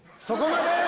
そこまで！